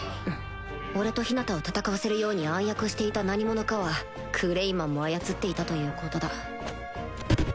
俺とヒナタを戦わせるように暗躍していた何者かはクレイマンも操っていたということだ